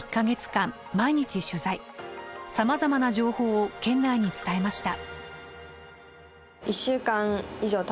さまざまな情報を県内に伝えました。